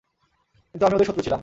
কিন্তু আমি ওদের শত্রু ছিলাম।